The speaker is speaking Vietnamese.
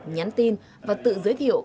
nhắn tin và tự giới thiệu